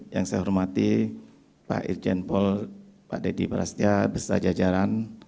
yang saya hormati pak irjen pol pak deddy prasetya bersetajajaran